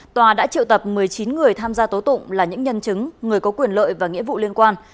tòa đã triệu tập một mươi chín người tham gia tố tụng là những nhân chứng người có quyền lợi và nghĩa vụ liên quan